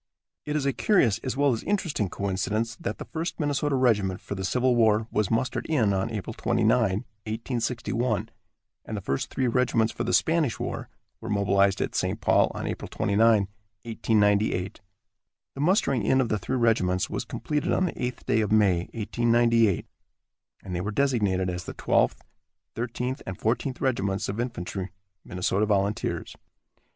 It is a curious as well as interesting coincidence, that the First Minnesota Regiment for the Civil War was mustered in on April 29, 1861, and the first three regiments for the Spanish War were mobilized at St. Paul on April 29, 1898. The mustering in of the three regiments was completed on the eighth day of May, 1898, and they were designated as the Twelfth, Thirteenth and Fourteenth Regiments of Infantry, Minnesota Volunteers.